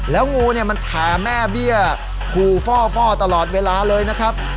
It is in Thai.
แล้วงูเนี่ยมันแผ่แม่เบี้ยขู่ฟ่อตลอดเวลาเลยนะครับ